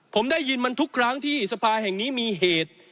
ผมได้ยินมันทุกครั้งที่สภาแห่งนี้มีเหตุ